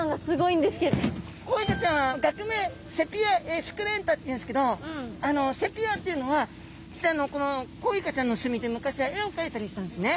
コウイカちゃんは学名セピア・エスクレンタっていうんですけどあのセピアっていうのは実はこのコウイカちゃんのすみで昔は絵をかいたりしたんですね。